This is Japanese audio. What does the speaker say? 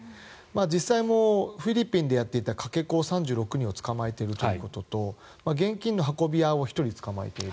実際もフィリピンでやっていたかけ子３６人を捕まえているということと現金の運び屋を１人捕まえている。